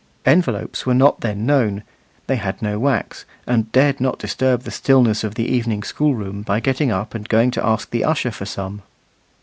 Envelopes were then unknown; they had no wax, and dared not disturb the stillness of the evening school room by getting up and going to ask the usher for some.